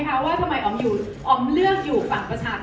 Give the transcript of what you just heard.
อ๋อแต่มีอีกอย่างนึงค่ะ